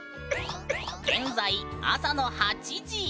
現在朝の８時！